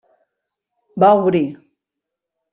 Va obrir.